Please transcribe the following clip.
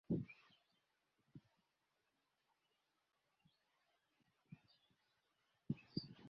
তাঁর অর্জুন নামে এক ছোট ভাই আছে।